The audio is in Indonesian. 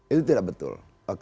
itu tidak betul